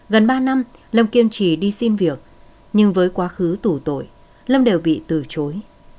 gần ba năm lâm kiên trì đi xin việc nhưng với quá khứ tủ tội lâm đều bị từ chối